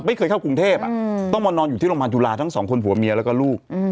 ไม่เคยเข้ากรุงเทพต้องมานอนอยู่ที่โรงพยาบาลจุฬาทั้งสองคนผัวเมียแล้วก็ลูก